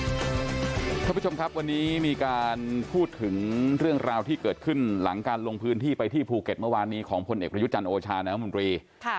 คุณผู้ชมครับวันนี้มีการพูดถึงเรื่องราวที่เกิดขึ้นหลังการลงพื้นที่ไปที่ภูเก็ตเมื่อวานนี้ของพลเอกประยุจันทร์โอชาน้ำมนตรี